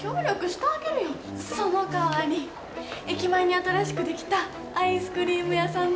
そのかわり駅前に新しく出来たアイスクリーム屋さんね。